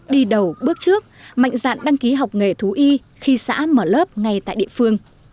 đi đầu bước trước mạnh dạn đăng ký học nghề thú y khi xã mở lớp ngay tại địa phương